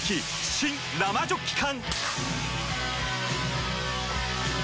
新・生ジョッキ缶！